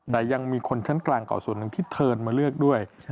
แต่ยังมีคนชั้นกลางเก่าส่วนหนึ่งที่เทิร์นมาเลือกด้วย